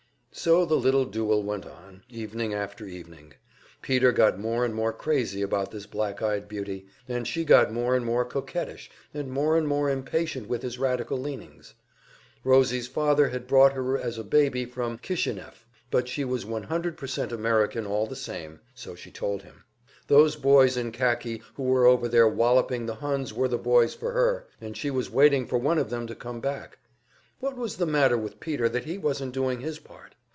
So the little duel went on, evening after evening. Peter got more and more crazy about this black eyed beauty, and she got more and more coquettish, and more and more impatient with his radical leanings. Rosie's father had brought her as a baby from Kisheneff, but she was 100% American all the same, so she told him; those boys in khaki who were over there walloping the Huns were the boys for her, and she was waiting for one of them to come back. What was the matter with Peter that he wasn't doing his part?